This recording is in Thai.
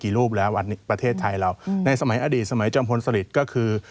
กี่รูปหรือวันนี้ประเทศไทยแล้วในสมัยอดีตสมัยจำพลสลิทฯก็คือ